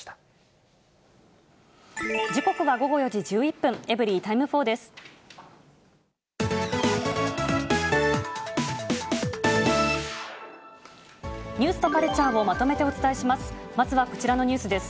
時刻は午後４時１１分、エブリィタイム４です。